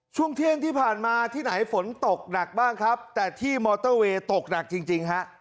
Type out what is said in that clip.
ช่วงเที่ยงที่ผ่านมาที่ไหนฝนตกหนักบ้างครับแต่ที่มอเตอร์เวย์ตกหนักจริงจริงฮะ